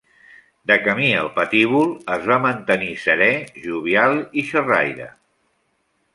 De camí al patíbul es va mantenir serè, jovial i xerraire.